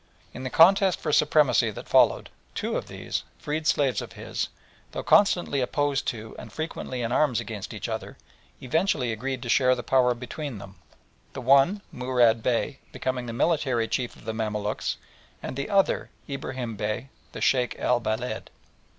In the contest for supremacy that followed, two of these, freed slaves of his, though constantly opposed to and frequently in arms against each other, eventually agreed to share the power between them, the one, Murad Bey, becoming the military chief of the Mamaluks, and the other, Ibrahim Bey, the Sheikh el Beled.